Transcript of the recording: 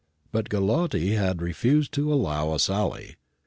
But Gallotti had refused to allow a sally.